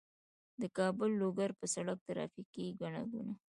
د کابل- لوګر په سړک ترافیکي ګڼه ګوڼه